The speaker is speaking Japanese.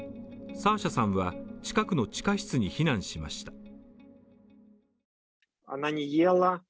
サーシャさんは、近くの地下室に避難しました。